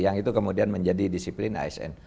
yang itu kemudian menjadi disiplin asn